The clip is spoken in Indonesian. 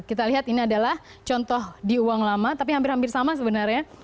kita lihat ini adalah contoh di uang lama tapi hampir hampir sama sebenarnya